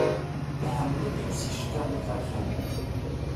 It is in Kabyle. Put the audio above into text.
Iḥemmel ad iles iceṭṭiḍen iberkanen.